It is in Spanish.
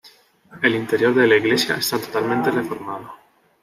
El interior de la iglesia está totalmente reformado.